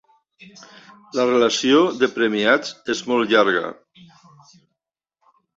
La relació de premiats és molt llarga.